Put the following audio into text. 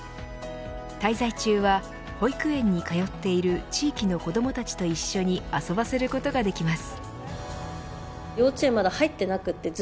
滞在中は保育園に通っている地域の子どもたちと一緒に遊ばせることができます。